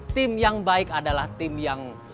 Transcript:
tim yang baik adalah tim yang